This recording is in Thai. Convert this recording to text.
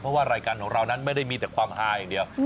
เพราะว่ารายการของเรานั้นไม่ได้มีแต่ความฮาอย่างเดียว